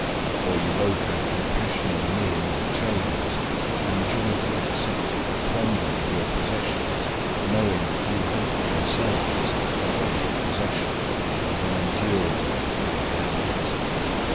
010:034 For you both had compassion on me in my chains, and joyfully accepted the plundering of your possessions, knowing that you have for yourselves a better possession and an enduring one in the heavens.